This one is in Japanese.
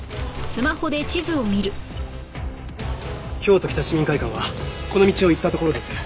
京都北市民会館はこの道を行ったところです。